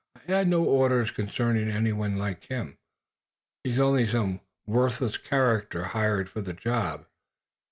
"I had no orders concerning anyone like him. He's only some worthless character hired for the job.